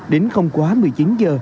đến không quá một mươi chín h